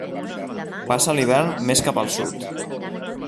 Passa l'hivern més cap al sud.